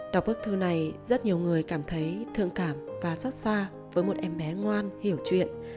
đọc bức thư này rất nhiều người cảm thấy thượng cảm và xót xa với một em bé ngoan hiểu chuyện